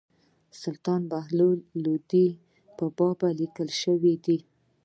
سلطان بهلول لودي په باب لیکني شوي دي.